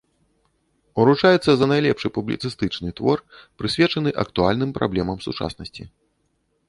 Уручаецца за найлепшы публіцыстычны твор, прысвечаны актуальным праблемам сучаснасці.